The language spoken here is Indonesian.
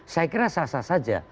saya kira sah sah saja